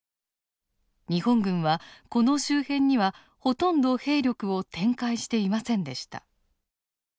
日本軍はこの周辺にはほとんど兵力を展開していませんでした。